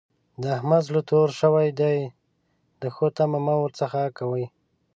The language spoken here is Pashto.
د احمد زړه تور شوی دی؛ د ښو تمه مه ور څځه کوئ.